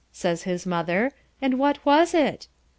says his mother, "and what was it?"